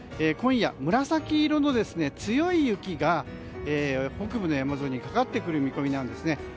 今夜、紫色の強い雪が北部の山沿いにかかってくる見込みなんですね。